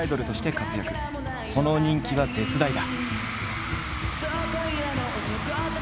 その人気は絶大だ。